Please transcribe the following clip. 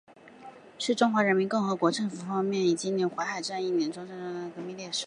是中华人民共和国政府方面用以纪念淮海战役碾庄战斗中牺牲的革命烈士。